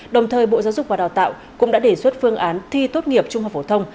đồng thời bộ giáo dục và đào tạo cũng đã đề xuất phương án thi tốt nghiệp trung học phổ thông